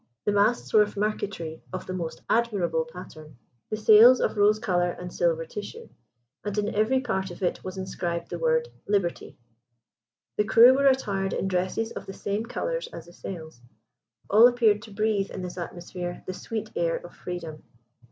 The masts were of marqueterie of the most admirable pattern; the sails, of rose colour and silver tissue; and in every part of it was inscribed the word "Liberty." The crew were attired in dresses of the same colours as the sails. All appeared to breathe in this atmosphere the sweet air of freedom.